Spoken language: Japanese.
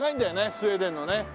スウェーデンのね。